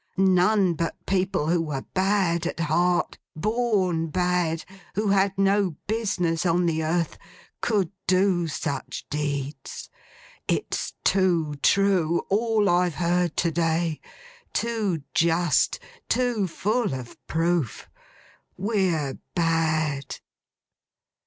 None but people who were bad at heart, born bad, who had no business on the earth, could do such deeds. It's too true, all I've heard to day; too just, too full of proof. We're Bad!